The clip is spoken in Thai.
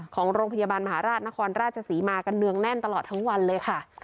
ของโรงพยาบาลมหาราชนครราชศรีมากันเนืองแน่นตลอดทั้งวันเลยค่ะ